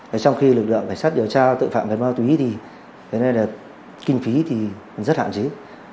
trong khi lực lượng phải sát điều tra tội phạm gần ma túy thì kinh phí rất hạn chứ